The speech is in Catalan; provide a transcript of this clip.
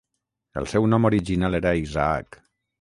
El seu nom original era Isaac.